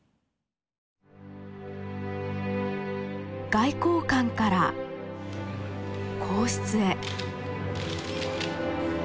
外交官から皇室へ。